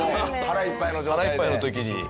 腹いっぱいの時に。